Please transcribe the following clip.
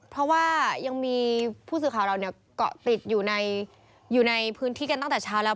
เพราะว่ายังมีผู้สื่อข่าวเราเกาะติดอยู่ในพื้นที่กันตั้งแต่เช้าแล้ว